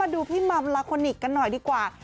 ดูพี่มัมลาโคนิคกันหน่อยดีกว่า